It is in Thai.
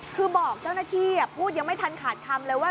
คือบอกเจ้าหน้าที่พูดยังไม่ทันขาดคำเลยว่า